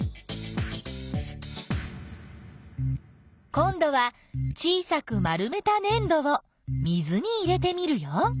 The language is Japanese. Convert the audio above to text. こんどは小さく丸めたねん土を水に入れてみるよ。